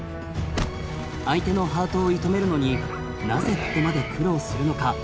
相手のハートを射止めるのになぜここまで苦労するのか。